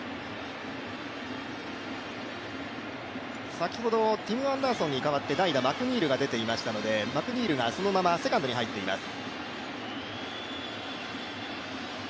先ほどティム・アンダーソンに代わって代打マクニールが出ていましたのでマクニールがそのままセカンドに入っています。